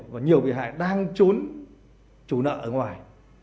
và nhiều bị hại đang trốn chủ nợ ở ngoài